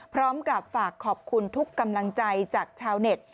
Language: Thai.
พร้อมกับฝากขอบคุณทุกกำลังใจจากชาวเน็ต